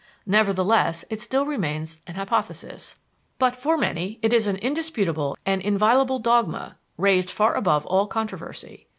Nevertheless, it still remains an hypothesis; but for many it is an indisputable and inviolable dogma, raised far above all controversy.